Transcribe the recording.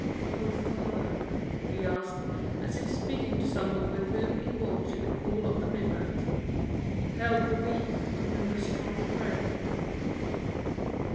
"O Father," he asked, as if speaking to someone with whom he walked in the cool of the midnight, "help the weak on whom the strong prey."